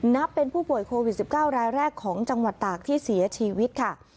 นับเป็นผู้ป่วยโควิด๑๙รายแรกของจังหวัดตากที่เสียชีวิตค่ะ